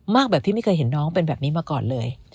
แบบที่ไม่เคยเห็นน้องเป็นแบบนี้มาก่อนเลย